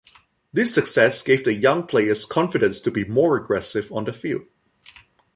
This success gave the young players confidence to be more aggressive on the field.